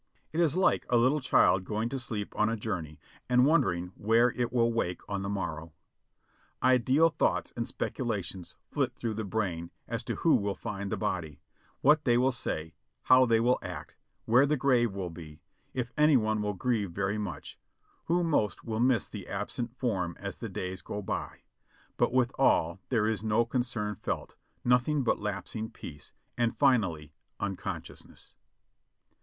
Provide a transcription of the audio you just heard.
It is like a little child going to sleep on a journey and wondering where it will wake on the morrow. Idle thoughts and speculations flit through the brain as to who will find the body, what they will say, how they will act, where the grave will be, if any one will grieve very much, who most will miss the ab sent form as the days go by ; but withal there is no concern felt^ nothing but lapsing peace, and finally unconsciousness.